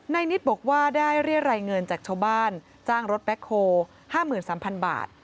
นิดบอกว่าได้เรียรายเงินจากชาวบ้านจ้างรถแบ็คโฮ๕๓๐๐บาท